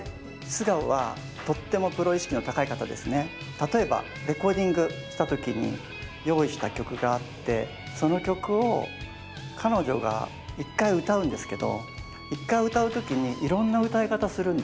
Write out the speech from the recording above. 例えばレコーディングした時に用意した曲があってその曲を彼女が１回歌うんですけど１回歌う時にいろんな歌い方するんですよ。